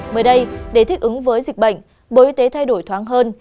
mới đây để thích ứng với dịch bệnh bộ y tế thay đổi thoáng hơn